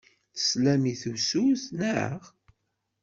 Teslam i tusut, naɣ?